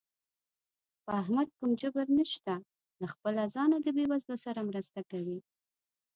په احمد کوم جبر نشته، له خپله ځانه د بېوزلو سره مرسته کوي.